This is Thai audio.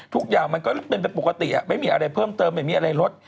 ทุกอย่างมันก็เป็นไปปกติไม่มีอะไรเพิ่มเติมไม่มีอะไรลด